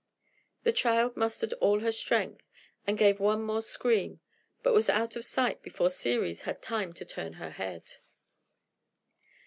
The child mustered all her strength, and gave one more scream, but was out of sight before Ceres had time to turn her head.